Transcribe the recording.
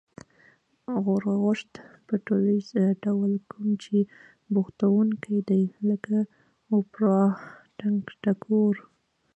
غورغوشت په ټولیز ډول کوم چې بوختوونکي دی لکه: اوپرا، ټنگټکور